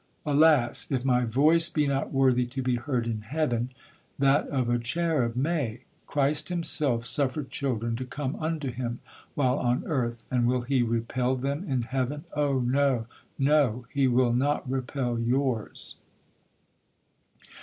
Alas! if my voice be not worthy to be heard in heaven, that of a cherub may! Christ himself suffered children to come unto him while on earth, and will he repel them in heaven?—Oh! no,—no! he will not repel yours!'